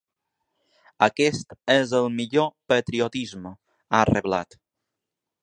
Aquest és el millor patriotisme, ha reblat.